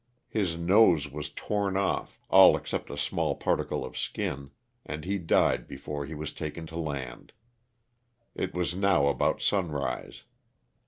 His nose was torn off, all except a small particle of skin, and he died before he was taken to land. It was now about sun rise.